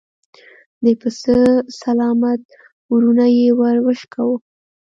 د پسه سلامت ورون يې ور وشکاوه.